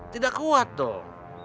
tidak kuat tuh